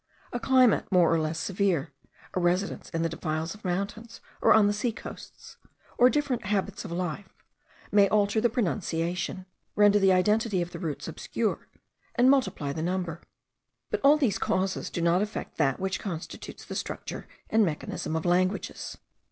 A climate more or less severe, a residence in the defiles of mountains, or on the sea coasts, or different habits of life, may alter the pronunciation, render the identity of the roots obscure, and multiply the number; but all these causes do not affect that which constitutes the structure and mechanism of languages.